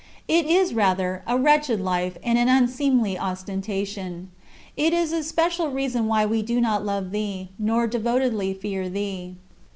It is, rather, a wretched life and an unseemly ostentation. It is a special reason why we do not love thee, nor devotedly fear thee.